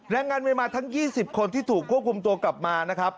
แรงงานเมียมาทั้ง๒๐คนที่ถูกควบคุมตัวกลับมานะครับ